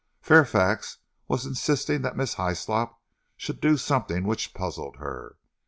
Fairfax was insisting that Miss Hyslop should do something which puzzled her.